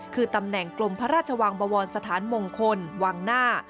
คือตำแหน่งกลมพระราชวังบวรสถานมงคลวังหน้า